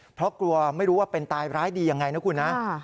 เพราะกลัวไม่รู้ว่าเป็นตายร้ายดียังไงนะคุณนะ